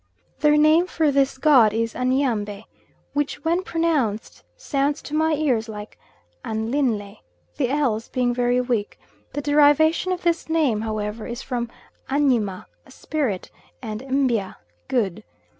Their name for this god is Anyambie, which when pronounced sounds to my ears like anlynlae the l's being very weak, the derivation of this name, however, is from Anyima a spirit, and Mbia, good.